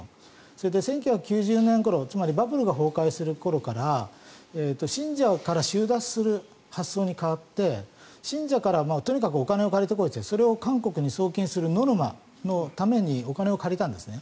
それで１９９０年ごろつまりバブルが崩壊する頃から信者から収奪する発想に変わって信者から、とにかくお金を借りて来いといってそれを韓国に送金するノルマのためにお金を借りたんですね。